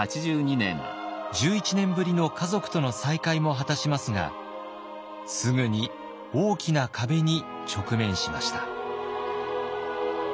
１１年ぶりの家族との再会も果たしますがすぐに大きな壁に直面しました。